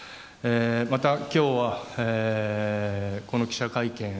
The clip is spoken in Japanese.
また、今日はこの記者会見